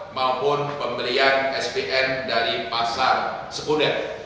maupun pembelian spn dan jnpf